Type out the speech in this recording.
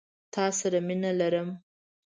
تا سره مينه لرم